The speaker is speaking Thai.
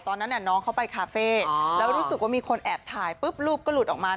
ตอนนั้นน้องเขาไปคาเฟ่แล้วรู้สึกว่ามีคนแอบถ่ายปุ๊บรูปก็หลุดออกมา